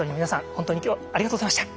本当に今日はありがとうございました。